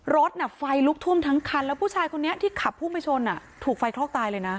รถไฟลุกท่วมทั้งคันแล้วผู้ชายคนนี้ที่ขับพุ่งไปชนถูกไฟคลอกตายเลยนะ